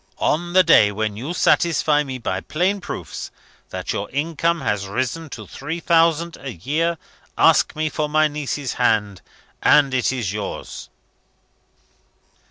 On the day when you satisfy me, by plain proofs, that your income has risen to three thousand a year, ask me for my niece's hand, and it is yours."